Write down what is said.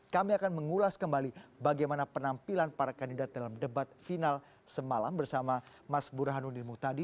kami akan mengulas kembali bagaimana penampilan para kandidat dalam debat final semalam bersama mas burhanuddin muhtadi